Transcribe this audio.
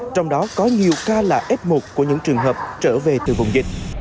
trong đó có nhiều ca là f một của những trường hợp trở về từ vùng dịch